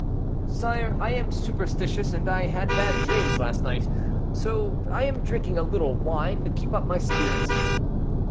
"Sire, I am superstitious, and I had bad dreams last night, so I am drinking a little wine to keep up my spirits."